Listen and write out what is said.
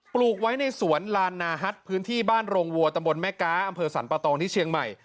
ปลูกไว้ในสวนลานนาฮัทพื้นที่บ้านโรงวัวตำบลแม่ก๊าอำเภอสรรปะตองที่เชียงใหม่